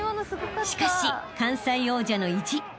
［しかし関西王者の意地］